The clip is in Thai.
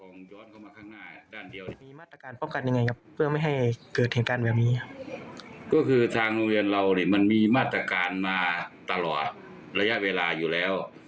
นำความปลอดภัยให้เจ้าเด็กอยู่อยู่แล้ว